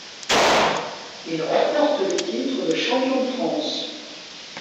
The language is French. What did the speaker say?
Il remporte le titre de champion de France.